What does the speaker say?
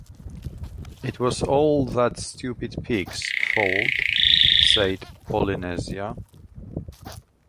“It was all that stupid pig’s fault,” said Polynesia.